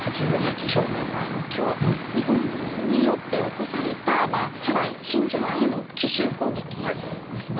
８０年前の今日日本軍によって起こされたハワイ真珠湾への奇襲攻撃ですね。